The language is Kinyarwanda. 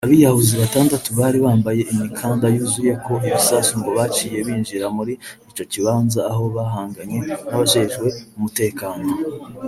Abiyahuzi batandatu bari bambaye imikanda yuzuyeko ibisasu ngo baciye binjira muri ico kibanza aho bahanganye n'abajejwe umutekano